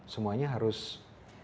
semuanya harus sadar